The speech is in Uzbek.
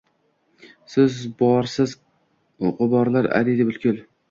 Siz borsiz – g’uborlar ariydi butkul